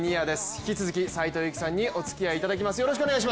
引き続き、斎藤佑樹さんにおつきあいいただきます。